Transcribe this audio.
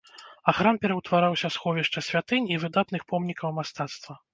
А храм пераўтвараўся ў сховішча святынь і выдатных помнікаў мастацтва.